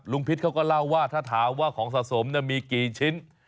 พิษเขาก็เล่าว่าถ้าถามว่าของสะสมมีกี่ชิ้น